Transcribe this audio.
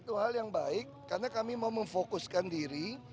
itu hal yang baik karena kami mau memfokuskan diri